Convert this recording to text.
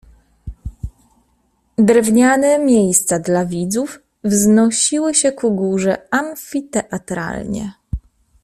"Drewniane miejsca dla widzów wznosiły się ku górze amfiteatralnie."